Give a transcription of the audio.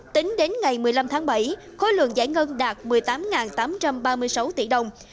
tính đến ngày một mươi năm tháng bảy khối lượng giải ngân đạt một mươi tám tám trăm ba mươi sáu tỷ đồng